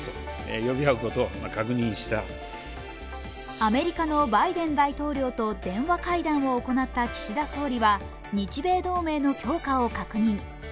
アメリカのバイデン大統領と電話会談を行った岸田総理は日米同盟の強化を確認。